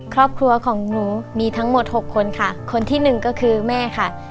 ครอบครัวของหนูมีทั้งหมดหกคนค่ะคนที่หนึ่งก็คือแม่ค่ะ